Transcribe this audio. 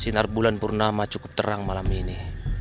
sinar bulan purnama cukup terang malam ini